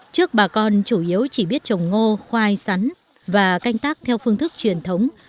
trước bà con chủ yếu chỉ biết trồng ngô khoai sắn và canh tác theo phương thức truyền thống